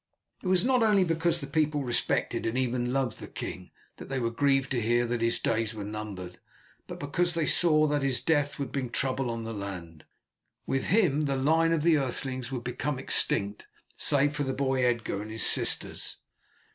It was not only because the people respected and even loved the king that they were grieved to hear that his days were numbered, but because they saw that his death would bring trouble on the land. With him the line of the Oethelings would become extinct, save for the boy Edgar and his sisters.